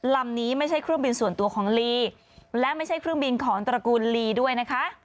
ลำนี้ไม่ใช่เครื่องบินส่วนตัวของลีและไม่ใช่เครื่องบินของตระกูลลีด้วยนะคะ